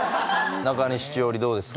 中西智代梨どうですか？